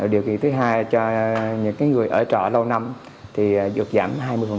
điều kỳ thứ hai là cho những người ở trọ lâu năm thì được giảm hai mươi